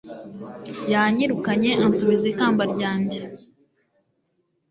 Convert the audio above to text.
yanyirukanye ansubiza ikamba ryanjye